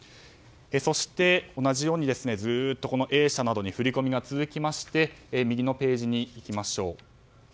そして、同じようにずっとＡ社などに振り込みが続きまして右のページに行きます。